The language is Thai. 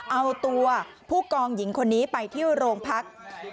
เอาตัวผู้กองหญิงคนนี้ไปที่โรงพัก